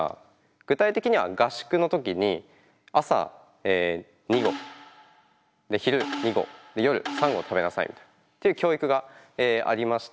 具体的には合宿の時に朝２合昼２合夜３合食べなさいみたいな教育がありまして。